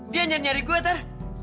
dia nyari nyari gue ter